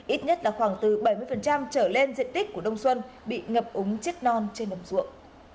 ít nhất là khoảng từ bảy mươi trở lên diện tích của đông xuân bị ngập ống chiếc non trên đầm ruộng